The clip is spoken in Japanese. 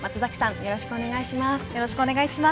よろしくお願いします。